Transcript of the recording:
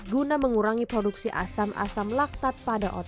guna mengurangi produksi asam asam laktat pada otot